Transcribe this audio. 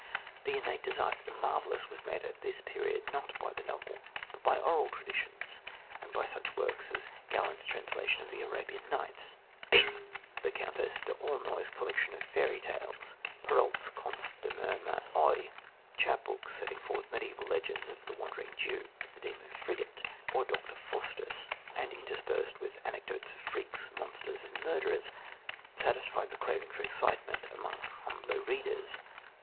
The innate desire for the marvellous was met at this period not by the novel, but by oral tradition and by such works as Galland's translation of The Arabian Nights, the Countess D'Aulnoy's collection of fairy tales, Perrault's Contes de ma Mère Oie. Chapbooks setting forth mediaeval legends of "The Wandering Jew," the "Demon Frigate," or "Dr. Faustus," and interspersed with anecdotes of freaks, monsters and murderers, satisfied the craving for excitement among humbler readers.